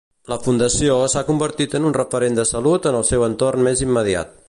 La Fundació s'ha convertit en un referent de salut en el seu entorn més immediat.